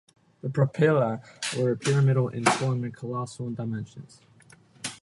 The propyla were pyramidal in form and colossal in dimensions.